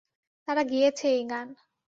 তাঁরা গেয়েছে এই গান।